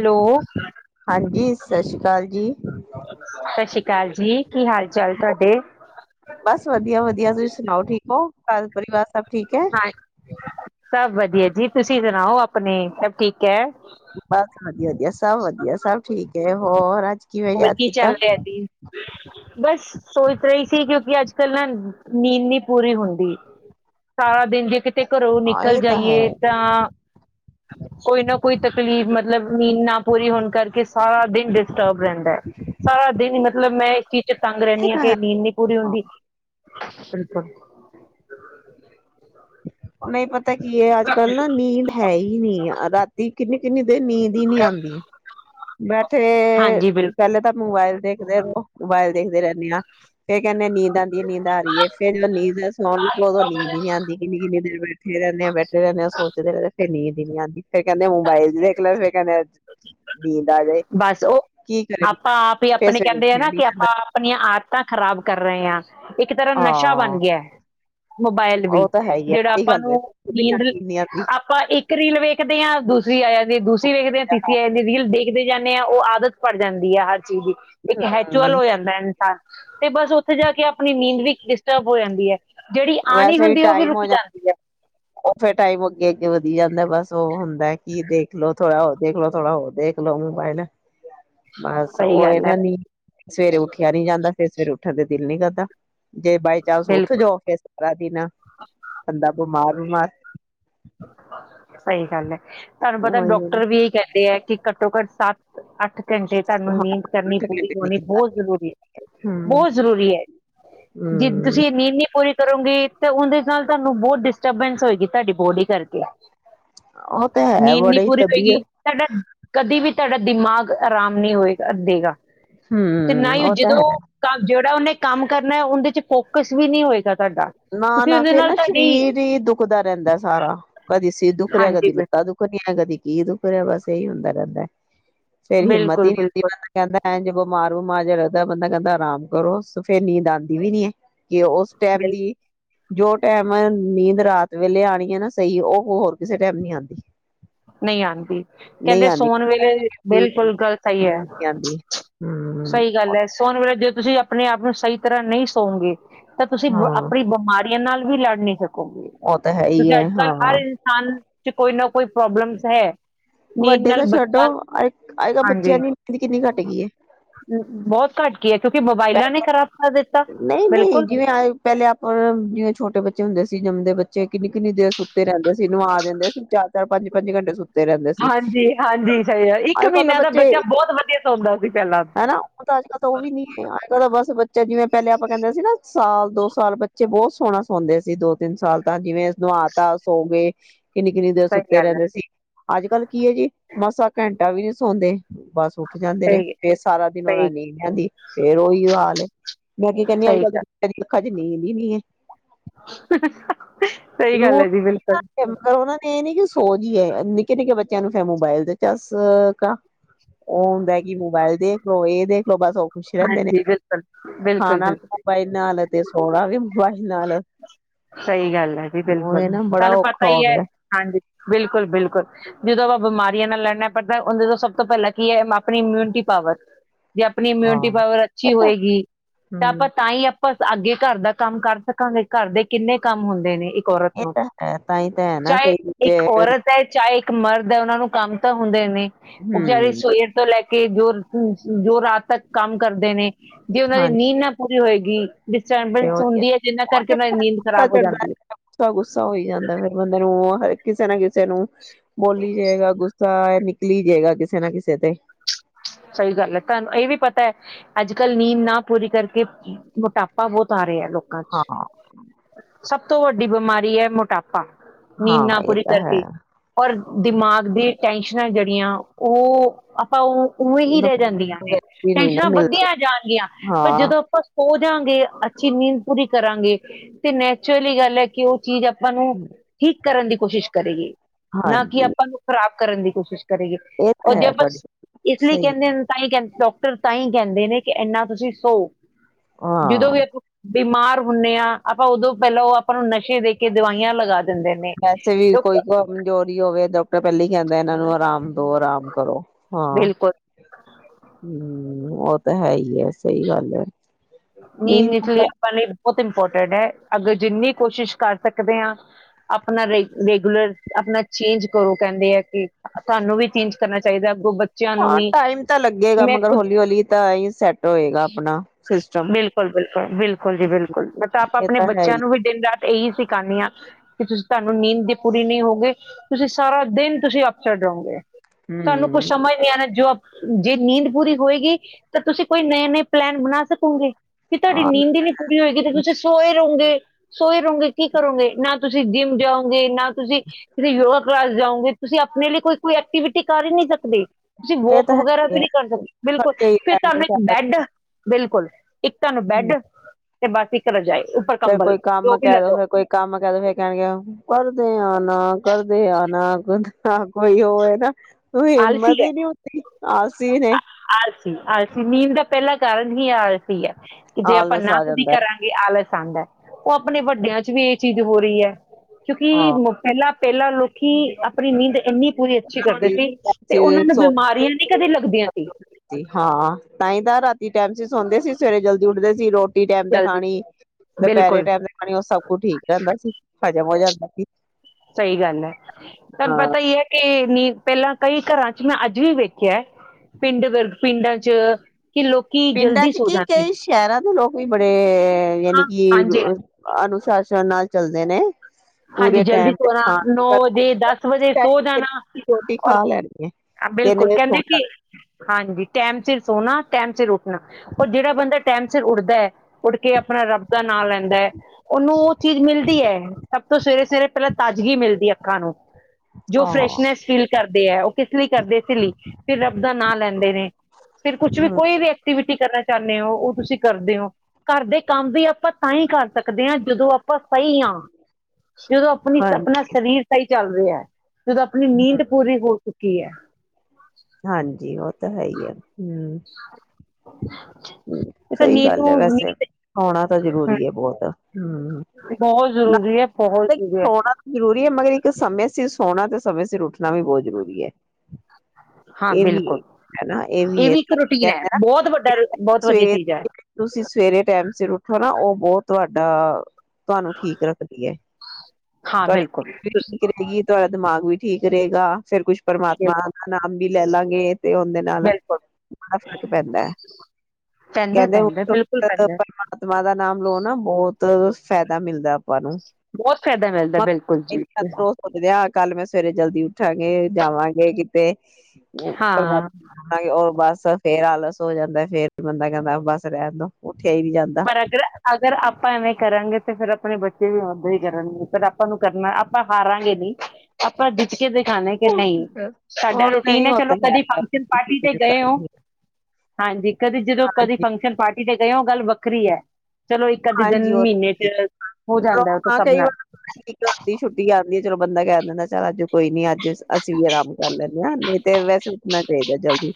Hello, ਹਾਂਜੀ, ਸਤਿ ਸ੍ਰੀ ਅਕਾਲ ਜੀ। ਸਤਿ ਸ੍ਰੀ ਅਕਾਲ ਜੀ ਕੀ ਹਾਲ ਚਾਲ ਤੁਹਾਡੇ। ਬਸ ਵਧੀਆ, ਵਧੀਆ ਤੁਸੀਂ ਸੁਣਾਓ ਠੀਕ ਓ। ਘਾਰ ਪਰਿਵਾਰ ਸ ਸਭ ਠੀਕ ਏ। ਹਾਂ ਸਭ ਵਧੀਆ ਜੀ ਤੁਸੀਂ ਸੁਣਾਓ ਆਪਨੀ, ਸਭ ਠੀਕ ਓ। ਬਸ ਵਧੀਆ, ਵਧੀਆ, ਸਭ ਵਧੀਆ, ਸਭ ਠੀਕ ਏ। ਹੋਰ [unintelligible] ਹੋਰ ਕੀ ਚੱਲ ਕੀਤਾ ਰਿਹਾ ਦੀ। ਸੋਚ ਰਹੀ ਸੀ ਕਿਉਂਕਿ ਅੱਜ ਕੱਲ ਨਾ ਨੀਂਦ ਨਹੀਂ ਪੂਰੀ ਹੁੰਦੀ ਸਾਰਾ ਦਿਨ ਜੇ ਕਿਤੇ ਘਰੋਂ ਹਾਂ ਨਿਕਲ ਇਹ ਤਾਂ ਹੈ ਜਾਈਏ ਤਾਂ ਕੋਈ ਨਾ ਕੋਈ ਤਕਲੀਫ਼ ਮਤਲਬ ਨੀਂਦ ਨਾ ਪੂਰੀ ਹੋਣ ਕਰਕੇ ਸਾਰਾ ਦਿਨ ਡਿਸਟਰਬ ਸਾਰਾ ਦਿਨ ਮਤਲਬ ਮੈਂ ਇਕ ਚਿ ਚ ਤੰਗ ਇਹ ਰਹਿੰਦੀ ਆ ਤਾਂ ਕਿ ਹੈ ਨੀਂਦ ਨੀ ਪੂਰੀ ਹੁੰਦੀ। [unintelligible] ਨਹੀਂ ਪਤਾ ਕੀ ਏ, ਅੱਜ ਕੱਲ੍ਹ ਨਾ ਨੀਂਦ ਹੈ ਈ ਨੀ ਆ, ਰਾਤੀ ਕਿੰਨੀ, ਕਿੰਨੀ ਦੇ ਨੀਂਦ ਈ ਨਈ ਆਂਦੀ। ਬੈਠੇ ਹਾਂਜੀ ਬਿਲਕੁਲ ਪਹਿਲੇ ਤਾਂ ਮੋਬਾਇਲ ਦੇਖਦੇ ਰੋ। ਮੋਬਾ ਬਾਈਲ ਦੇਖਦੇ ਰਹਿੰਦੇ ਆਂ। ਫੇ ਕੇਂਦੇ ਨੇ ਨੀਂਦ ਆਂਦੀ ਏ, ਨੀਂਦ ਆਰੀਏ, ਫੇਰ [unintelligible] ਨੀਂਦ ਸਉਣ ਉਦੋਂ ਨੀਂਦ ਈ ਨਈ ਆਂਦੀ। ਕਿੰਨੀ ਕਿਨੀ ਦੇਰ ਬੈਠੇ ਰਹਿਨੇ ਆਂ, ਬੈਠੇ ਰਹਿਨੇ ਆਂ, ਸੋਚਦੇ ਫੇਰ ਨੀਂਦ ਦੁਨੀਆਂ ਦੀ, ਫੇਰ ਕਹਿੰਦੇ ਮੋਬਾਈਲ ਵੇਖ ਲੇ ਫੇਰ ਕਹਿੰਦੇ ਨੀਂਦ ਆ ਜਾਏ ਬਸ ਉਹ ਕੀ ਕਰੇ ਬੰਦਾ, ਆਪਾਂ ਆਪ ਹੀ ਫੇਰ ਆਪਣੇ ਸਵੇਰੇ ਕਹਿੰਦੇ ਆ ਉੱਠਿਆ ਨਾ ਨੀ ਕਿ ਜਾਂਦਾ ਆਪਾਂ ਆਪਣੀਆਂ ਆਪ ਤਾਂ ਖਰਾਬ ਕਰ ਰਹੇ ਆਂ। ਇੱਕ ਤਰ੍ਹਾਂ ਨਸ਼ਾ ਬਣ ਹਾਂ ਗਿਆ। ਮੋਬਾਇਲ ਵੀ, ਉਹ ਤਾਂ ਹੈ ਹੀ ਹੈ ਜਿਹੜਾ ਸਹੀ ਆਪਾਂ ਗੱਲ ਨੂੰ ਹੈ ਬਿਨਾਂ ਨੀਂਦ ਨੀ ਆਂਦੀ ਆਪਾਂ ਇੱਕ ਰੀਲ ਵੇਖਦੇ ਹਾਂ ਦੂਸ [unintelligible] [unintelligible] ਦੇਖ ਜਾਂਨੇ ਆਂ ਉਹ ਆਦਤ ਬਨ ਜਾਂਦੀ ਆਂ ਹਰ ਇੱਕ ਹੈਚੁਅਲ ਹੂੰ ਹੋ ਜਾਂਦਾ ਏ ਇਨਸਾਨ ਤੇ ਬਸ ਉੱਥੇ ਜਾ ਕੇ ਆਪਣੀ ਨੀਂਦ ਵੀ ਡਿਸਟਰਬ ਹੋ ਜਾਂਦੀ ਏ। ਜਿਹੜੀ ਆਨੀ ਵੈਸੇ ਹੁੰਦੀ ਏ ਉਹ ਵੀ ਟਾਈਮ ਰੁਕ ਹੋ ਜਾਂਦਾ ਜਾਂਦੀ ਏ। ਉਹ ਫੇਰ ਟਾਈਮ ਅੱਗੇ, ਅੱਗੇ ਵਧੀ ਜਾਂਦਾ। ਬਸ ਉਹ ਹੁੰਦਾ ਕੀ ਦੇਖਲੋ ਥੋੜਾ ਹੋਰ ਦੇਖਲੋ ਥੋੜਾ ਹੋਰ ਦੇਖ ਲੋ ਮੋਬਾਇਲ। ਬਸ ਸਹੀ ਉਹ ਗੱਲ ਹੈ ਇਹਨਾਂ ਨੀ ਸਵੇਰੇ ਉੱਠਿਆ ਨੀ ਜਾਂਦਾ ਫਿਰ ਸਵੇਰੇ ਉੱਠਣ ਦੇ ਦਿਲ ਨੀ ਕਰਦਾ ਜੇ ਬਾਈ ਚਾਂਸ ਉੱਠ ਬਿਲਕੁਲ ਜਾਓ, ਫਿਰ ਸਾਰਾ ਦਿਨ ਬੰਦਾ ਬਿਮਾਰ ਬਮਾਰ ਸਹੀ ਗੱਲ ਐ। ਤੁਹਾਨੂੰ ਪਤਾ ਹੂੰ ਡਾਕਟਰ ਵੀ ਇਹੀ ਕਹਿੰਦੇ ਐ ਕਿ ਘੱਟੋ ਘੱਟ ਸਤ ਅੱਠ ਅੱਠ ਘੰਟੇ ਤੁਹਾਨੂੰ ਨੀਂਦ ਕਰਨੀ ਪੂਰੀ ਹੋਣੀ ਬਹੁਤ ਜ਼ਰੂਰੀ ਐ, ਬਹੁਤ ਜ਼ਰੂਰੀ ਐ। ਜੇ ਹੂੰ ਤੁਸੀਂ ਨੀਂਦ ਨਹੀਂ ਪੂਰੀ ਕਰੋਗੇ ਤਾਂ ਉਹਦੇ ਨਾਲ ਤੁਹਾਨੂੰ ਬਹੁਤ ਡਿਸਟਰਬੈਂਸ ਹੋਏਗੀ ਤੁਹਾਡੀ ਬੋਡੀ--‌ ਇਸ ਕਰਕੇ ਉਹ ਤਾਂ ਹੈ ਨੀਂਦ ਨੀਂ ਬੜਾ ਹੀ ਪੂਰੀ ਹੋਏਗੀ ਤਬੀਅਤ ਸਾਡਾ ਕਦੀ ਵੀ- ਤੁਹਾਡਾ ਦਿਮਾਗ ਆਰਾਮ ਨੀ ਹੋਏਗਾ ਦੇਗਾ- ਤੇ ਨਾ ਹੂੰ ਹੀ ਉਹ ਤਾਂ ਜਦੋਂ ਹੈ ਕ ਜੋੜ ਉਹਨੇ ਕੰਮ ਕਰਨਾ ਉਹਦੇ ਫੋਕਸ ਵੀ ਨਹੀਂ ਹੋਏਗਾ ਤੁਹਾਡਾ ਕਿਉਂਕਿ ਨਾ-ਨਾ ਉਹਦੇ ਫੇਰ ਨਾਲ ਨਾ ਤੁਹਾਡੀ ਸਰੀਰ ਹੀ ਦੁੱਖਦਾ ਰਹਿੰਦਾ ਸਾਰਾ ਕਦੀ ਸਿਰ ਦੁੱਖ ਰਿਹਾ ਹਾਂਜੀ ਕਦੀ ਬਿਲ- ਲੱਤਾ ਦੁੱਖ ਦੀਆਂ ਰਹੀਂ ਹੈ ਕਦੀ ਕੀ ਦੁੱਖ ਰਿਹਾ ਬਸ ਇਹੀ ਹੁੰਦਾ। ਕਰਾਦਾ। ਫੇਰ ਹਿੰਮਤ ਬਿਲਕੁਲ ਹੀ ਨਈਂ ਹੁੰਦੀ ਬਿਲਕੁਲ ਬੰਦਾ ਕਹਿੰਦਾ ਏਂਜ ਬਿਮਾਰ ਬਮਾਜ ਰਹਿੰਦਾ ਬੰਦਾ ਕਹਿੰਦਾ ਰਾਮ ਕਰੋ ਸ ਫੇਰ ਨੀਂਦ ਆਂਦੀ ਵੀ ਨੀਂ ਐ। ਕਿ ਉਸ ਟਾਈਮ ਬਿਲਕੁਲ ਦੀ ਜੋ ਟਾਈਮ ਨੀਂਦ ਰਾਤ ਵੇਲੇ ਆਣੀ ਐਨਾ ਸਹੀ ਉਹ ਹੋਰ ਕਿਸੇ ਟਾਈਮ ਨੀ ਆਂਦੀ। ਨਹੀਂ ਆਂਦੀ ਨਹੀਂ ਕਹਿੰਦੇ ਆਂਦੀ ਸੋਣ ਵੇਲੇ ਬਿਲਕੁਲ ਗਲ ਸਹੀ ਐ, ਨਹੀਂ ਆਂਦੀ ਹਮ ਸਹੀ ਗੱਲ ਐ, ਸੋਣ ਵੇਲੇ ਜ ਤੁਸੀਂ ਆਪਣੇ ਆਪ ਨੂੰ ਸਹੀ ਤਰ੍ਹਾਂ ਨਹੀਂ ਸੋਂਉਗੇ ਤਾਂ ਤੁਸੀਂ ਬ ਹਾਂ ਆਪਣੀ ਬਿਮਾਰੀਆਂ ਨਾਲ ਵੀ ਲੜ ਨਹੀਂ ਸਕ ਉਹ ਤਾਂ ਹੈ ਹੀ ਤੁਸੀਂ ਅੱਜ ਹੈ ਕੱਲ੍ਹ ਹਾਂ ਹਰ ਇਨਸਾਨ ਚ ਕੋਈ ਨਾ ਕੋਈ ਪ੍ਰੋਬਲਮਸ ਹੈ। ਨੀਂਦ ਵੱਡੇ ਨਾਲ ਤਾਂ ਛੱਡੋ ਬੱਚਾ ਅ ਅੱਜ-ਕੱਲ੍ਹ ਬੱਚਿਆਂ ਹਾਂਜੀ ਦੀ ਨਿਹ ਕਿੰਨੀ ਘੱਟ ਗਈ ਐ। ਬਹੁਤ ਘੱਟ ਕੀ ਹੈ ਕਿਉਂਕਿ ਮੋਬਾਇਲਾਂ ਨੇ ਖ਼ਰਾਬ ਕਰ ਦਿੱਤਾ ਨਈਂ ਨਈਂ ਬਿਲਕੁਲ ਜਿਵੇਂ ਆ ਪਹਿਲੇ ਆਪਾਂ ਜਿਵੇਂ ਛੋਟੇ ਬੱਚੇ ਹੁੰਦੇ ਸੀ ਜੰਮਦੇ ਬੱਚੇ ਕਿੰਨੀ-ਕਿੰਨੀ ਦੇਰ ਸੁੱਤੇ ਰਹਿੰਦੇ ਸੀ, ਨਵਾਂ ਦਿੰਦੇ ਸੀ ਚਾਰ-ਚਾਰ ਪੰਜ-ਪੰਜ ਘੰਟੇ ਸੁੱਤੇ ਰਹਿੰਦੇ ਸੀ ਹਾਂਜੀ, ਹਾਂਜੀ। ਸਈ ਗਲ, ਇੱਕ ਅੱਜ ਕੱਲ੍ਹ ਤਾਂ ਮਹੀਨੇ ਦਾ ਬੱਚੇ ਬੱਚਾ ਬਹੁਤ ਵਧੀਆ ਸੌਂਦਾ ਸੀ ਪਹਿਲਾਂ। ਹਨਾ [unintelligible] ਤੇ ਜਿਵੇਂ ਪਹਿਲਾਂ ਆਪਾਂ ਕਹਿੰਦੇ ਸੀ ਨਾ ਸਾਲ ਦੋ ਸਾਲ ਬੱਚੇ ਬਹੁਤ ਸੋਹਣਾ ਸੋਂਦੇ ਸੀ ਦੋ ਤਿੰਨ ਸਾਲ ਤਾਂ ਜਿਵੇਂ ਨੂਆਤਾ ਸੋ ਗਏ। ਕਿੰਨੀ-ਕਿੰਨੀ ਦੇਰ ਸਹੀ ਸੁੱਤੇ ਗੱਲ ਹੈ ਰਹਿੰਦੇ ਸੀ। ਅੱਜ ਕੱਲ੍ਹ ਕੀ ਐ ਜੀ ਮਸਾ ਘੰਟਾ ਵੀ ਨੀ ਸੌਦੇ। ਬਸ ਉੱਠ ਜਾਂਦੇ ਨੇ ਸਹੀ ਫੇਰ ਸਾਰਾ ਦਿਨ ਸਹੀ ਉਹਨਾਂ ਨੀਂਦ ਨਹੀਂ ਆਂਦੀ ਫੇਰ ਉਹੀ ਹਾਲ ਮੈਂ ਕੀ ਕਹਿਣੀ ਆ ਅੱਜ ਸਹੀ ਕੱਲ ਗੱਲ ਦੇ ਬੱ ਹਜੇ ਨੀਂਦ ਹੀ ਨੀ ਐ। [inaudible] [unintelligible] ਗੱਲ ਹੈ ਜੀ ਬਿਲਕੁਲ ਔਹੀ ਹੈ ਨਿੱੱਕੇ ਨਿੱੱਕੇ ਬੱਚਿਆਂ ਨੂੰ ਫਿਰ ਮੋਬਾਇਲ ਤੇ ਚਸਕਾ ਉਹ ਬੈਠੀ ਮੋਬਾਇਲ ਦੇਖ ਲੋ ਇਹ ਦੇਖ ਲੋ ਬਸ ਉਹ ਖੁਸ਼ ਰਹਿੰਦੇ ਨੇ ਹਾਂਜੀ ਬਿਲਕੁਲ, ਬਿਲਕੁਲ, ਖਾਣਾ ਬਿਲਕੁਲ ਮੋਬਾਇਲ ਨਾਲ ਤੇ ਸੋਣਾ ਵੀ ਮੋਬਾਈਲ ਨਾਲ। ਸਹੀ ਗੱਲ ਹੈ। ਉਹ ਬਿਲਕੁਲ ਇਹ ਨਾ ਬੜਾ ਤੁਹਾਨੂੰ ਔਖਾ ਪਤਾ ਹੋ ਹੀ ਹੈ ਗਿਆ ਹਾਂਜੀ ਬਿਲਕੁਲ ਬਿਲਕੁਲ। ਜਦੋਂ ਆਪਾਂ ਬਿਮਾਰੀਆਂ ਨਾਲ ਲੜਨਾ ਪੜਦਾ ਉਹਦੇ ਤੋਂ ਸਭ ਤੋਂ ਪਹਿਲਾਂ ਕੀ ਹੈ ਆਪਣੀ ਇਮਿਊਨਿਟੀ ਪਾਵਰ। ਜੇ ਆਪਣੀ ਹਾਂ ਇਮਿਊਨਿਟੀ ਪਾਵਰ ਅੱਛੀ ਹੋਏਗੀ ਤਾਂ ਆਪਾਂ ਹਮ ਤਾਂ ਹੀ ਬਸ ਅੱਗੇ ਘਰ ਦਾ ਕੰਮ ਕਰ ਸਕਾਂਗੇ ਘਰ ਦੇ ਕਿੰਨੇ ਕੰਮ ਹੁੰਦੇ ਨੇ ਔਰਤ ਇਹ ਨੂੰ ਤਾਂ ਹੈ ਤਾਂ ਹੀ ਤਾਂ ਹੈ ਨਾ ਚਾਹੇ ਕਈ ਜੇ ਇੱਕ ਔਰਤ ਹੈ ਚਾਹੇ ਇੱਕ ਮਰਦ ਐ ਉਹਨਾਂ ਨੂੰ ਕੰਮ ਤਾਂ ਹੁੰਦੇ ਨੇ ਬਿਚਾਰੇ ਹਮ ਸਵੇਰ ਤੋਂ ਲੈ ਕੇ ਕੇ ਜੋ ਜੋ ਰਾਤ ਤੱਕ ਕੰਮ ਕਰਦੇ ਨੇ ਜੇ ਉਹਨਾਂ ਦੀ ਹਾਂਜੀ ਨੀਂਦ ਨਾ ਪੂਰੀ ਹੋਏਗੀ ਵੀ ਤੇ ਡਿਸਟਰਬੈਂਸ ਉਹੀ ਹੈ ਹੁੰਦੀ ਐ ਜਿਹਨਾਂ ਕਰਕੇ ਉਹਨਾਂ ਦੀ ਨੀਂਦ ਗੁੱਸਾ ਖਰਾਬ ਹੋ ਚੜਦਾ ਜਾਂਦੀ ਹੈ ਗੁੱਸਾ ਗੁੱਸਾ ਹੋ ਜਾਂਦਾ ਫਿਰ ਬੰਦੇ ਨੂੰ ਕਿਸੇ ਨਾ ਕਿਸੇ ਨੂੰ ਬੋਲੀ ਜਾਏਗਾ ਗੁੱਸਾ ਨਿਕਲੀ ਜਾਏਗਾ ਕਿਸੇ ਨਾ ਕਿਸੇ ਤੇ। ਸਹੀ ਗੱਲ ਐ ਤੁਹਾਨੂੰ ਇਹ ਵੀ ਪਤਾ ਐ ਅੱਜ ਕੱਲ੍ਹ ਨੀਂਦ ਨਾ ਪੂਰੀ ਕਰਕੇ ਮੋਟਾਪਾ ਬਹੁਤ ਆ ਰਿਹਾ ਲੋਕ ਹਾਂ, ਸਭ ਤੋਂ ਵੱਡੀ ਬਿਮਾਰੀ ਐ ਮੋਟਾਪਾ। ਨੀਂਦ ਨਾ ਹਾਂ ਇਹ ਪੂਰੀ ਤਾਂ ਹੈ ਕਰਕੇ ਔਰ ਦਿਮਾਗ ਦੀ ਟੈਂਸ਼ਨਾਂ ਜਿਹੜੀਆਂ ਉਹ ਆਪਾਂ ਉਹ ਉਵੇਂ ਹੀ ਰਹਿ ਜਾਂਦੀਆਂ ਨੇ ਵੀ ਨੀ ਨਾ ਟੈਸ਼ਨਾਂ ਮਿਲਦਾ ਵੱਧੀਆਂ ਜਾਣਗੀਆਂ ਪਰ ਹਾਂ ਜਦੋਂ ਆਪਾਂ ਸੋਚ ਗੇ ਅੱਛੀ ਨੀਂਦ ਪੂਰੀ ਕਰਾਂਗੇ ਤੇ ਨੈਚੁਰਲੀ ਗੱਲ ਐ ਕਿ ਉਹ ਚੀਜ਼ ਆਪਾਂ ਨੂੰ ਠੀਕ ਕਰਨ ਦੀ ਕੋਸ਼ਿਸ਼ ਕਰੀਏ ਨਾ ਕਿ ਹਾਂਜੀ ਆਪਾਂ ਨੂੰ ਖਰਾਬ ਕਰਨ ਦੀ ਕੋਸ਼ਿਸ਼। ਕਰੀਏ ਇਹ ਤਾਂ ਉਹ ਦੇ ਹੈ ਆਪਾਂ ਤੁਹਾਡੀ ਇਸ ਲਈ ਸਹੀ ਕਹਿੰਦੇ ਨੇ ਤਾਂਹੀ। ਕਹਿੰਦੇ ਡਾਕਟਰ ਤਾਂ ਹੀ ਕਹਿੰਦੇ ਨੇ ਕਿ ਇੰਨਾ ਤੁਸੀਂ ਸੋ ਹਾਂ ਜਦੋਂ ਵੀ ਆਪਾਂ ਬਿਮਾਰ ਹੁੰਨੇ ਆ। ਆਪਾਂ ਉਦੋਂ ਪਹਿਲਾਂ ਉਹ ਆਪਾਂ ਨੂੰ ਨ ਵੈਸੇ ਵੀ ਤੇ ਉਹ ਕੋਈ ਕਮਜ਼ੋਰੀ ਹੋਵੇ ਤਾਂ ਤਾਂ ਪਹਿਲੀ ਕਹਿੰਦਾ ਇਹਨਾਂ ਨੂੰ ਆਰਾਮ ਦੋ ਆਰਾਮ ਕਰੋ। ਹਾਂ ਬਿਲਕੁਲ ਹੂੰ। ਹੂੰ ਉਹ ਤਾਂ ਹੈ ਹੀ ਹੈ ਸਹੀ ਗੱਲ ਐ। ਨੀਂਦ [unintelligible] ਆਪਣੇ ਲਈ ਬਹੁਤ ਇੰਪੋਰਟੈਂਟ ਹੈ ਅਗਰ ਜਿੰਨੀ ਕੋਸ਼ਿਸ਼ ਕਰ ਸਕਦੇ ਹਾਂ ਆਪਣਾ ਰੇ ਰੈਗੂਲਰ ਆਪਣਾ ਚੇਂਜ ਕਰੋ ਕਹਿੰਦੇ ਆ। ਤੁਹਾਨੂੰ ਵੀ ਤਿੰਨ ਚ ਕਰਨਾ ਚਾਹੀਦਾ ਗੋਬਰ ਹਾਂ, ਟਾਈਮ ਤਾਂ ਲੱਗੇਗਾ ਮਗਰ ਹੌਲੀ ਹੌਲੀ ਤਾਂਹੀ ਸੈੱਟ ਹੋਏਗਾ ਆਪਣਾ। ਬਿਲਕੁਲ ਬਿਲਕੁਲ ਬਿਲਕੁਲ ਜੀ ਬਿਲਕੁਲ ਬਟ ਆਪਾਂ ਇਹ ਆਪਣੇ ਤਾਂ ਹੈ ਬੱਚਿਆਂ ਹੀ ਨੂੰ ਵੀ ਦਿਨ ਰਾਤ ਇਹੀ ਸਿੱਖ ਕਰਨੀ ਆ ਕਿ ਤੁਸੀਂ ਤੁਹਾਨੂੰ ਨੀਂਦ ਦੀ ਪੂਰੀ ਨਹੀਂ ਹੋਗੇ ਤੁਸੀਂ ਸਾਰਾ ਦਿਨ ਤੁਸੀਂ ਅਪਸੈੱਟ ਰਹੋਗੇ। ਤੁਹਾਨੂੰ ਹਮ ਕੁਛ ਸਮਝ ਨਹੀਂ ਆ ਰਿਹਾ ਜੋ ਆਪਾਂ ਜੇ ਨੀਂਦ ਪੂਰੀ ਹੋਏਗੀ ਤਾਂ ਤੁਸੀਂ ਕੋਈ ਨਯੇ ਨਯੇ ਪਲੈਨ ਬਣਾ ਸਕੋ ਤੂੰਗੇ। ਕੀ ਤੁਹਾਡੀ ਹਾਂ ਨੀਂਦ ਹੀ ਨੀ ਪੂਰੀ ਹੋਏਗੀ ਤੇ ਤੁਸੀਂ ਸੋਏ ਰਹੋਗੇ ਸੋਏ ਰਹੋਗੇ ਕੀ ਕਰੋਗੇ ਨਾ ਤੁਸੀਂ ਜਿੰਮ ਜਾਓਗੇ ਨਾ ਤੁਸੀਂ ਕਿਤੇ ਯੋਗਾ ਕਲਾਸ ਜਾਓਗੇ ਤੁਸੀਂ ਆਪਣੇ ਲਈ ਕੋਈ ਕੋਈ ਐਕਟੀਵਿਟੀ। ਕਰ ਈ ਨ੍ਹੀਂ ਸਕਦੇ। ਤੁਸੀਂ ਇਹ ਵੋਕ ਤਾਂ ਵਗੈਰਾ ਹੈ ਵੀ ਹੀ ਨ੍ਹੀਂ ਕਰ ਸਕਦੇ ਬਿਲਕੁਲ ਕਰਕੇ ਹੀ ਫਿਰ ਤਹਾਨੂੰ ਰਹਿਣਗੇ ਇੱਕ ਬੈਡ ਬਿਲਕੁਲ ਇੱਕ ਤਹਾਨੂੰ ਬੈਡ ਤੇ ਬਸ ਇਕ ਰਜਾਈ। ਉੱਪਰ ਫੇਰ ਕੰਬਲ ਕੋਈ ਕੰਮ ਜੋ ਵੀ ਕਹਿ ਲੈ ਦੋ ਲਓ ਫੇਰ ਕੋਈ ਕੰਮ ਕਹਿ ਦੋ ਫੇਰ ਕੈਣਗੇ, ਕਰਦੇ ਆ ਨਾ ਕਰਦੇ ਆ ਨਾ। ਯੁਧ ਹਾਂ ਕੋਈ ਔ ਏ ਨਾ। ਕੋਈ ਆਲਸੀ ਹਿੰਮਤ ਹੈ ਹੀ ਨਹੀਂ ਹੁੰਦੀ ਅਸੀਂ ਨੇ। ਆਲਸੀ ਆਲਸੀ ਨੀਂਦ ਦਾ ਪਹਿਲਾ ਕਾਰਨ ਹੀ ਆਲਸੀ ਐ। ਕਿ ਜੇ ਆਪਾਂ ਆਲਸ ਨਾ ਆ ਪੂਰੀ ਜਾਂਦਾ ਕਰਾਂਗੇ ਆਲਸ ਪਸੰਦ ਐ। ਔ ਆਪਣੇ ਵੱਡਿਆਂ ਚ ਵੀ ਏਹ ਚੀਜ਼ ਹੋ ਰੀ ਐ। ਹਾਂ ਕਿਉਂਕਿ ਮ ਪੈਲਾਂ ਪੈਲਾਂ ਲੋਕੀ ਆਪਣੀ ਨੀਂਦ ਏਨੀ ਪੂਰੀ ਅੱਛੀ ਕਰਦੇ ਸੀ ਤੇ ਉਹਨਾਂ ਨੂੰ ਬਿਮਾਰੀਆਂ ਨੀ ਕਦੇ ਲੱਗਦੀਆਂ ਸੀ [unintelligible] ਹਾਂ, ਤਾਂ ਈ ਤਾਂ ਰਾਤੀ ਟੈਮ ਸਿਰ ਸੌਂਦੇ ਸੀ ਸਵੇਰੇ ਜਲਦੀ ਉੱਠਦੇ ਸੀ ਰੋ ਟੀ ਟੈਮ ਤੇ ਜਲਦੀ ਖਾਣੀ, ਦੁਪੈਰੇ ਬਿਲਕੁਲ ਟੈਮ ਤੇ ਖਾਣੀ ਔ ਸਭ ਕੁਝ ਠੀਕ ਰੈੰਦਾ ਸੀ, ਹਜ਼ਮ ਹੋ ਜਾਂਦਾ ਸੀ। ਤਾਨੂੰ ਹਾਂ ਪਤਾ ਈ ਐ ਕਿ ਨੀਂਦ ਪੈਲਾਂ ਕਈ ਘਰਾਂ ਚ ਮੈਂ ਅੱਜ ਵੀ ਵੇਖਿਐ ਪਿੰਡ ਵਰਗ, ਪਿੰਡਾਂ ਚ ਕਿ ਲੋਕੀ ਪਿੰਡਾਂ ਜਲਦੀ ਚ ਸੋ ਕੀ ਜਾਂਦੇ ਕਈ ਨੇ ਸੈ਼ਰਾਂ ਦੇ ਲੋਕ ਵੀ ਬੜੇ ਅ ਯਾਨੀ ਹਾਂ ਕਿ ਹਾਂਜੀ ਅ ਅਨੁਸ਼ਾਸਨ ਨਾਲ ਚੱਲਦੇ ਨੇ। ਹਾਂਜੀ, ਪੂਰੇ ਜਲਦੀ ਟਾਈਮ ਤੇ ਸੋਣਾ ਨੌ ਖਾਣ ਵਜੇ-ਦਸ ਵਜੇ ਸੋ ਜਾਣਾ ਰੋਟੀ ਔਰ ਖਾ ਲੈਣੀ ਹੈ ਅ ਤਿੰਨ ਬਿਲਕੁਲ ਵਜੇ ਕੈੰਦੇ ਸੋ ਕਿ ਜਾਣਾ ਹਾਂਜੀ ਟੈਮ ਸਿਰ ਸੋਣਾ, ਟੈਮ ਸਿਰ ਉੱ ਠਨਾ ਔਰ ਜੇੜਾ ਬੰਦਾ ਟੈਮ ਸਿਰ ਉਠਦੈ ਉਠ ਕੇ ਆਪਣਾ ਰੱਬ ਦਾ ਨਾਂ ਲੈਂਦਾ ਐ ਔਨੂ ਔ ਚੀਜ਼ ਮਿਲਦੀ ਐ। ਤਾਜ਼ਗੀ ਮਿਲਦੀ ਐ ਅੱਖਾਂ ਨੂੰ। ਜੋ ਹਾਂ ਫਰੈਸ਼ਨੈਸ ਫੀਲ ਕਰਦੇ ਐ ਔ ਕਿਸ ਲਈ ਕਰਦੇ ਇਸੀ ਲਈ, ਫਿਰ ਰੱਬ ਦਾ ਨਾਂ ਲੈਂਦੇ ਨੇ। ਫਿਰ ਕੁਛ ਵੀ, ਕੋਈ ਵੀ ਐਕਟੀਵਿਟੀ ਕਰਨ ਚਾਣੇ ਔ, ਔਹ ਤੁਸੀਂ ਕਰਦੇ ਔ। ਘਰ ਦੇ ਕੰਮ ਵੀ ਆਪਾਂ ਤਾਂਈ ਕਰ ਸਕਦੇ ਆਂ ਜਦੋਂ ਅਪ ਪਾਂ ਸਈ ਆਂ। ਸ਼ੁਰੂ ਅਪਣੀ, ਹਾਂਜੀ ਅਪਣਾ ਸਰੀਰ ਸਈ ਚੱਲ ਰਿਐ। ਜਦੋਂ ਆਪਣੀ ਨੀਂਦ ਪੂਰੀ ਹੋ ਕੀ ਐ ਹਾਂਜੀ ਔ ਤਾਂ ਹੈ ਈ ਐ। ਹੂੰ, ਇਹ ਤਾਂ ਸਹੀ ਨੀਂਦ ਗੱਲ ਨੂੰ ਏ ਵੈਸੇ ਨੀਂਦ ਆਉਣਾ ਤੇ ਜ਼ਰੂਰੀ ਏ ਹਮ ਬਹੁਤ ਹਮ ਬਹੁਤ ਨਾਲ ਜ਼ਰੂਰੀ ਐ, ਬਹੁਤ ਜ਼ਰੂਰੀ ਐ। ਸੋਣਾ ਜ਼ਰੂਰੀ ਹੈ ਮਗਰ ਇੱਕ ਸਮੇਂ ਸਿਰ ਸੋਣਾ ਤੇ ਸਮੇਂ ਸਿਰ ਉੱਠਣਾ ਵੀ ਬਹੁਤ ਜ਼ਰੂਰੀ ਐ। ਹਾਂ ਇਹ ਵੀ ਬਿਲਕੁਲ ਹੈਨਾ ਇਹ ਵੀ ਏ ਇੱਕ ਨਾ ਰੂਟੀਨ ਹੈ ਕਹਿੰਦੇ ਨਾ ਬਹੁਤ ਵੱਡਾ [unintelligible] ਬਹੁਤ ਵਧੀਆ ਸਵੇਰ ਚੀਜ਼ ਹੈ ਤੁਸੀ ਸਵੇਰੇ ਟੈਮ ਸਿਰ ਉੱਠੋ ਨਾ ਉਹ ਉਹ ਤੁਆਡਾ ਤੁਆਨੂੰ ਠੀਕ ਰੱਖਦੀ ਏ। ਹਾਂ ਤੁਹਾਡੀ ਬਿਲਕੁਲ ਤਬਿਅਤ ਠੀਕ ਰਹੇਗੀ ਤੁਹਾਡਾ ਦਿਮਾਗ ਵੀ ਠੀਕ ਰਹੇਗਾ ਫਿਰ ਕੁਛ ਪਰਮਾਤਮਾ ਬਿਲਕੁਲ ਦਾ ਨਾਮ ਵੀ ਲੈ ਲਾਂਗੇ ਤੇ ਉਹਦੇ ਨਾਲ ਬਿਲਕੁਲ ਬੜਾ ਫ਼ਰਕ ਪੈਂਦਾ ਹੈ ਪੈਂਦਾ ਕਹਿੰਦੇ ਪੈਂਦਾ ਉਠੱ ਬਿਲਕੁਲ ਕੇ ਪੈਂਦਾ ਪ੍ਰਮਾਤਮਾ ਦਾ ਨਾਮ ਲੋਓ ਨਾ ਬਹੁਤ ਤਾਂ ਫ਼ਾਇਦਾ ਮਿਲਦਾ ਆਪਾਂ ਨੂੰ ਬਹੁਤ ਫ਼ਾਇਦਾ ਮਿਲਦਾ ਬਿਲਕੁਲ ਠੀਕ ਏ ਰੋਜ਼ ਸੋਚਦੇ ਆ ਕੱਲ ਮੈਂ ਸਵੇਰੇ ਜਲਦੀ ਉੱਠਾਂਗੇ ਜਾਵਾਂਗੇ ਕਿਤੇ ਹਾਂ ਪਰਮਾਤਮਾ ਕਰਾਂ ਗਾ ਬਸ ਫੇਰ ਆਲਸ ਸੋ ਜਾਂਦਾ ਫੇਰ ਬੰਦਾ ਕਹਿੰਦਾ ਬਸ ਰਹਿਣ ਦੋ ਉੱਠਿਆ ਹੀ ਨਹੀਂ ਜਾਂਦਾ। ਪਰ ਅਗਰਾ ਅਗਰ ਆਪਾਂ ਐਵੇਂ ਕਰਾਂਗੇ ਤੇ ਫਿਰ ਆਪਣੇ ਬੱਚੇ ਵੀ ਉੱਦਾਂ ਹੀ ਕਰਨਗੇ ਫਿਰ ਆਪਾਂ ਨੂੰ ਕਰਨਾ ਆਪਾਂ ਹਾਰਾਂਗੇ ਨਹੀਂ ਆਪਾਂ ਜ ਦਿ ਖਾਣਾ ਕਿ ਉਹ ਤਾਂ ਨਹੀਂ ਹੈ। ਸਾਡਾ ਹਾਂ ਰੂਟੀਨ ਨਹੀਂ ਹੈ ਉਹ ਚਲੋ ਤਾਂ ਕਦੇ ਫੰਕਸ਼ਨ ਪਾਰਟੀ ਤੇ ਗਏ ਹੋ ਹਾਂਜੀ ਕਦੇ ਜਦੋਂ ਕਦੇ ਹਾਂਜੀ ਫੰਕਸ਼ਨ ਪਾਰਟੀ ਤੇ ਗਏ ਹੋ ਗੱਲ ਵ ਕ੍ਰਆ ਹਾਂਜੀ ਉਹ ਹੋ ਜਾਂਦਾ ਉਹ ਤਾਂ ਹਾਂ ਸਭ ਕਈ ਨਾਲ ਵਾਰ ਇਕ ਅੱਦੀ ਛੁੱਟੀ ਆਦੀ ਹੈ ਚਲੋ ਬੰਦਾ ਕਹਿ ਮੈ ਕੈ ਚੱਲ ਅੱਜ ਕੋਈ ਨੀ ਅੱਜ ਅਸੀਂ ਵੀ ਆਰਾਮ ਕਰ ਲੈਂਦੇ ਹਾਂ ਨਹੀਂ ਤੇ ਵੈਸੇ ਉੱਠਣਾ ਚਾਹੀਦਾ ਜਲਦੀ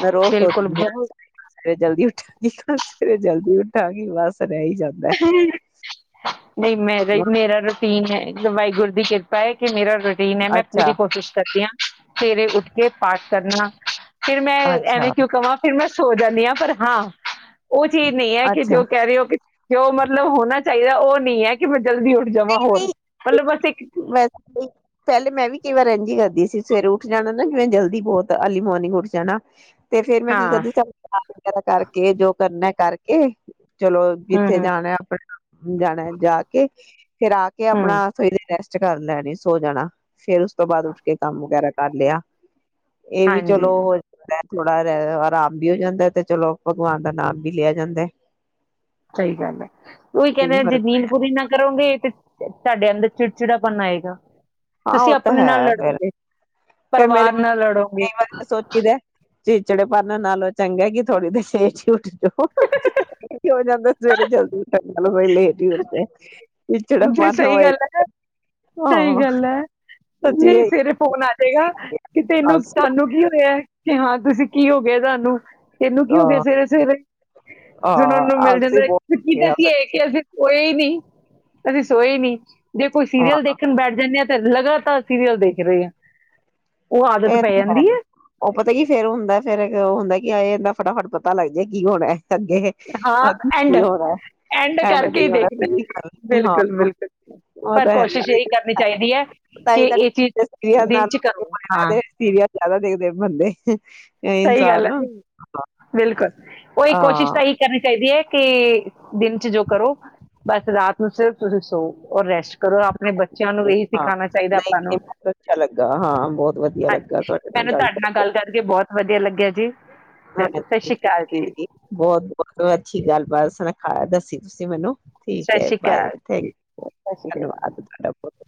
ਮੈਂ ਰੋਜ਼ ਬਿਲਕੁਲ ਸੋਚਦੀ ਹਾਂ ਬਹੁਤ ਸਵੇਰੇ ਜਲਦੀ ਉੱਠਆ ਕੀ ਕੱਲ ਸਵੇਰੇ ਜਲਦੀ ਉੱਠਾਗੀ ਬਸ ਰਾਹੀ ਜਾਂਦਾ ਰਾਹੀ ਮੇਰਾ ਰਸੀ ਕਿ ਮੈ ਵਾਹਿਗੁਰੂ ਦੀ ਕਿਰਪਾ ਹੈ ਕਿ ਮੇਰਾ ਰੂਟੀਨ ਹੈ ਮੈਂ ਪੂਰੀ ਅੱਛਾ, ਕੋਸ਼ਿਸ਼ ਕਰਦੀ ਹਾਂ ਸਵੇਰੇ ਉੱਠ ਕੇ ਪਾਠ ਕਰਨਾ ਫੇਿਰ ਮੈਂ ਐ ਵੈ ਅੱਛਾ, ਕਿੂ ਕਵਾਂ ਫਿਰ ਮੈਂ ਸੋ ਜਾਂਦੀ ਹ ਪਰ ਹਾਂ ਉਹ ਚੀਜ਼ ਨਹੀਂ ਹੈ ਕਿ ਅੱਛਾ। ਜੋ ਕਹਿ ਰਹੇ ਹੋ ਕਿ ਜੋ ਮਤਲਬ ਹੋਣਾ ਚਾਹੀਦਾ ਉਹ ਨਹੀਂ ਹੈ ਕਿ ਜਲਦੀ ਉੱਠ ਜਾਵਾਂ ਹੋਰ ਨਹੀਂ ਮਤ ਲਬ ਬਸ ਇੱਕ ਵੈਸੇ ਪਹਿਲੇ ਮੈਂ ਵੀ ਕਈ ਵਾਰ ਇਹਝ ਕਰਦੀ ਸੀ ਸਵੇਰੇ ਉੱਠ ਜਾਣਾ ਨਾ ਜਿਵੇੈਂ ਜਲਦੀ ਬਹੁਤ ਅਰਲੀ ਮੋਰਨਿੰਗ ਉੱਠ ਜਾਣਾ ਤੇ ਫੇਰ ਮੈਂ ਕੀ ਹਾਂ ਕਰਦੀ ਸੀ ਝਾਰੂ ਪੂਚਾ ਕਰਕੇ ਜੋ ਕਰਨਾ ਕਰਕੇ ਏ ਚਲੋ ਹੂੰ ਜਿੱਥੇ ਹੂੰ ਜਾਣਾ ਆਪਣਾ ਜਾਣਾ ਜਾ ਕੇ ਫੇਿਰ ਆ ਕੇ ਹੂੰ ਆਪਣਾ ਥੋਈ ਦੇਰ ਰੈਸਟ ਕਰ ਲੈਣੀ ਸੋ ਜਾਣਾ ਫੇਰ ਉਸ ਤੋਂ ਬਾਅਦ ਉੱਠ ਕੇ ਕੰਮ ਵਗੈਰਾ ਕਰ ਲਿਆ। ਇਹ ਵੀ ਹਾਂਜੀ ਚਲੋ ਹੋ ਜਾਂਦਾ। ਥੋੜ੍ਹਾ ਆਰਾਮ ਵੀ ਹੋ ਜਾਂਦਾ ਤੇ ਚਲੋ ਭਗਵਾਨ ਦਾ ਨਾਮ ਵੀ ਲਿਆ ਜਾਂਦਾ। ਸਹੀ ਗੱਲ ਐ ਉਹੀ ਇਹ ਵੀ ਕਹਿੰਦੇ ਜੇ ਫ਼ਰਕ ਨੀਂਦ ਪੂਰੀ ਨਾ ਕਰੋਗੇ ਤੇ ਤੁਹਾਡੇ ਅੰਦਰ ਚਿੜਚਿੜਾਪਨ ਆਏਗਾ। ਹਾਂ, ਤੁਸੀਂ ਉਹ ਤਾਂ ਆਪਣੇ ਹੈ ਨਾਲ ਫਿਰ ਲੜੋਗੇ ਪਰਿਵਾਰ ਨਾਲ ਲੜੋਗੇ। ਸੋਚੀ ਦਾ ਚਿਚੜੇ ਭਰਨ ਨਾਲੋਂ ਚੰਗਾ ਕਿ ਥੋੜੀ [unintelligible] ਹੋ ਜਾਂਦਾ। ਸਵੇਰੇ ਜਲਦੀ ਉੱਠਣ ਨਾਲੋਂ। ਵੀ ਲੇਟ ਹੀ ਉਠੋ। ਜੇ ਸਹੀ ਗੱਲ ਐ ਨਾ ਸਹੀ ਹਾਂ ਗੱਲ ਐ ਸੱਚੀ ਨਹੀਂ ਇਹੀ ਸਵੇਰੇ ਫੋਨ ਆ ਜਾ। ਹੈ ਕਿ ਤੈਨੂੰ ਆਲਸੀ ਤੁਹਾਨੂੰ ਕੀ ਹੋਇਆ। ਤੇ ਹਾਂ ਤੁਸੀਂ ਕੀ ਹੋ ਗਿਆ ਤੁਹਾਨੂੰ ਤੈਨੂੰ ਕੀ ਹੋ ਹਾਂ ਗਿਆ ਸਵੇਰੇ ਸਵੇਰੇ ਸੁਣਨ ਹਾਂ ਨੂੰ ਮਿਲ ਆਲਸੀ ਜਾਂਦਾ [unintelligible] ਬਹੁਤ ਇਹ ਹੋ ਗਏ ਆ ਕਿ ਅਸੀਂ ਸੋਏ ਨਹੀਂ। [unintelligible] ਅਸੀ ਸੋਏ ਨੀ। ਜੇ ਕੋਈ ਹਾਂ ਸੀਰੀਅਲ ਦੇਖਣ ਬੈਠ ਜਾਣੇ ਆ। ਲਗਾਤਾਰ ਸੀਰੀਅਲ ਦੇਖ ਰਹੇ ਆ। ਉਹ ਆਦਤ ਇਹ ਪੈ ਤਾਂ ਜਾਂਦੀ ਹੈ ਉਹ ਪਤਾ ਕੀ ਫੇਰ ਹੁੰਦਾ ਫੇਿਰ ਉਹ ਹੁੰਦਾ ਕੀ ਹਾਏ ਇਹਨਾਂ ਫਟਾਫਟ ਪਤਾ ਲੱਗਜੇ ਕੀ ਹੋਣਾ। ਅੱਗੇ ਹਾਂ ਅੱਗੇ ਐਂਡ ਕੀ ਹੋਣਾ ਐਂਡ ਕਰਕੇ ਕੀ ਹੀ ਹੋਣਾ ਦੇਖਣਾ ਬਿਲਕੁਲ-ਬਿਲਕੁਲ ਪਰ ਕੋਸ਼ਿਸ਼ ਇਹੀ ਕਰਨੀ ਚਾਹੀਦੀ ਹੈ ਕਿ ਇਹ ਚੀਜ਼ ਦਿਨ ਚ ਕਰੋ [unintelligible] ਹਾਂ [unintelligible] [unintelligible] ਦੇ ਸੀਰੀਅਲ ਜ਼ਿਆਦਾ ਦੇ ਦੇ ਬੰਦੇ ਸਹੀ ਗੱਲ ਇਨਸਾਨ ਐ ਹਾਂ ਬਿਲਕੁਲ ਉਹੀ ਕੋਸ਼ਿਸ਼ ਤਾਂ ਇਹੀ ਕਰਨੀ ਚਾਹੀਦੀ ਐ। ਕਿ ਦਿਨ ਚ ਜੋ ਕਰੋ ਬਸ ਰਾਤ ਨੂੰ ਸਿਰਫ ਤੁਸੀਂ ਸੋ ਔਰ ਰੈਸਟ ਕਰੋ ਆਪਣੇ ਬੱਚਿਆਂ ਨੂੰ ਇਹੀ ਹਾਂ ਸਿਖਾਉਣਾ ਚਾਹੀਦਾ ਨਹੀਂ ਆਪਾਂ ਨੂੰ ਨਹੀਂ ਬਹੁਤ ਅੱਛਾ ਲੱਗਾ ਹਾਂ ਬਹੁਤ ਵਧੀਆ ਲੱਗਾ ਹਾਂਜੀ ਤੁਹਾਡੇ ਮੈਨੂੰ ਤੁਹਾਡੇ ਨਾਲ ਗੱਲ ਕਰਕੇ ਬਹੁਤ ਵਧੀਆ ਲੱਗਿਆ ਜੀ। ਚਲੋ ਸਤਿ ਸ਼੍ਰੀ ਅਕਾਲ ਜੀ ਹਾਂਜੀ ਬਹੁਤ ਅੱਛੀ ਗੱਲਬਾਤ ਸੁਣਾਈ। ਹਾਂ, ਦੱਸੀ ਤੁਸੀਂ ਮੈਨੂੰ। ਠੀਕ ਸਤਿ ਐ ਸ਼੍ਰੀ ਬਾਏ ਅਕਾਲ ਥੈਂਕ ਸਤਿ ਸ਼੍ਰੀ ਅਕਾਲ ਧੰਨਵਾਦ ਤੁਹਾਡਾ ਬਹੁਤ।